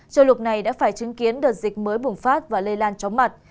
châu lục này đã phải chứng kiến đợt dịch mới bùng phát và lây lan chóng mặt